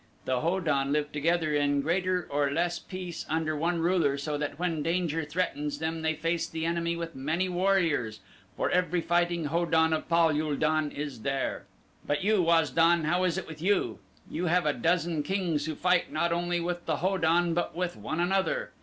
The Ho don live together in greater or less peace under one ruler so that when danger threatens them they face the enemy with many warriors, for every fighting Ho don of Pal ul don is there. But you Waz don, how is it with you? You have a dozen kings who fight not only with the Ho don but with one another.